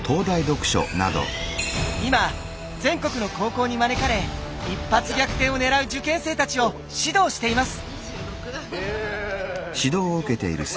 今全国の高校に招かれ一発逆転を狙う受験生たちを指導しています。